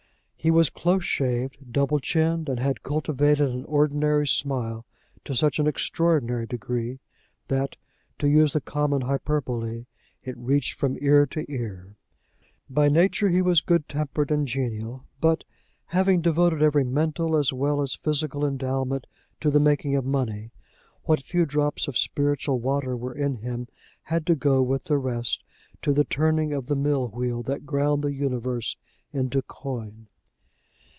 He was close shaved, double chinned, and had cultivated an ordinary smile to such an extraordinary degree that, to use the common hyperbole, it reached from ear to ear. By nature he was good tempered and genial; but, having devoted every mental as well as physical endowment to the making of money, what few drops of spiritual water were in him had to go with the rest to the turning of the mill wheel that ground the universe into coin.